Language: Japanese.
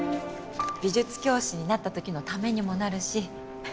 美術教師になった時のためにもなるし